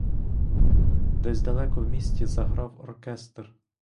Десь далеко в місті заграв оркестр.